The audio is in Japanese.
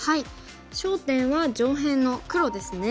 焦点は上辺の黒ですね。